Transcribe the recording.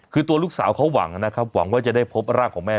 คือตัวลูกสาวเขาหวังนะครับหวังว่าจะได้พบร่างของแม่